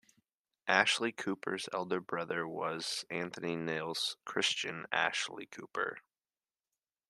Ashley-Cooper's elder brother was Anthony Nils Christian Ashley-Cooper.